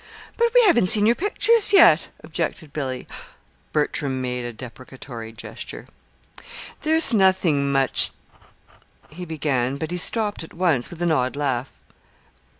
"But we haven't seen your pictures, yet," objected Billy. Bertram made a deprecatory gesture. "There's nothing much " he began; but he stopped at once, with an odd laugh.